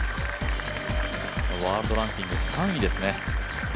ワールドランキング、３位ですね。